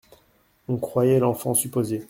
On croyait l'enfant supposé.